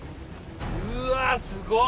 うわすごっ！